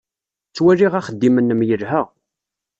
Ttwaliɣ axeddim-nnem yelha.